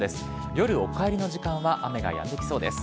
夜、お帰りの時間は雨がやんできそうです。